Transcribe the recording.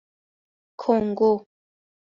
کنگو